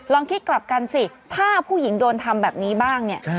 ลองคิดกลับกันสิถ้าผู้หญิงโดนทำแบบนี้บ้างเนี่ย